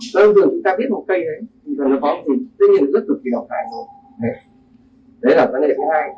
tự dưng chúng ta viết một cây ấy tự nhiên nó rất cực kỳ đọc tài rồi đấy là vấn đề thứ hai